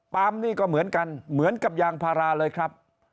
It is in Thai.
นี่ก็เหมือนกันเหมือนกับยางพาราเลยครับ